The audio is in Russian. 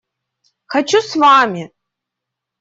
Хочу с вами!